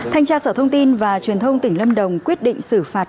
thanh tra sở thông tin và truyền thông tỉnh lâm đồng quyết định xử phạt